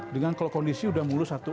dengan kalau kondisi udah mulus satu